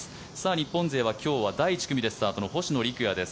日本勢は今日は第１組でスタートの星野陸也です。